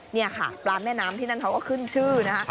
นี่ค่ะปลาแม่น้ำที่นั่นเขาก็ขึ้นชื่อนะคะ